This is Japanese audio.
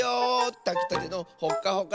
たきたてのほっかほかだよ！